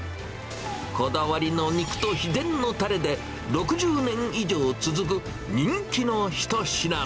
こだわりの肉と秘伝のたれで、６０年以上続く人気の一品。